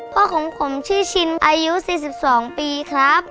พ่อของผมชื่อชินอายุ๔๒ปีครับ